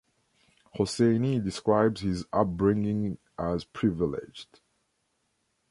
Hosseini describes his upbringing as privileged.